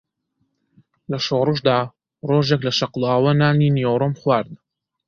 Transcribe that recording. لە شۆڕشدا ڕۆژێک لە شەقڵاوە نانی نیوەڕۆم خوارد